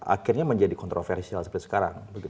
akhirnya menjadi kontroversial seperti sekarang